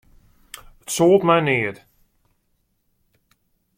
It soalt my neat.